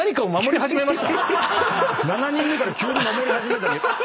７人目から急に守り始めた。